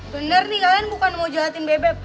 bener nih kalian bukan mau jahatin bebe